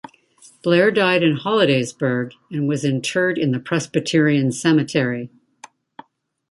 Blair died in Hollidaysburg and was interred in the Presbyterian Cemetery.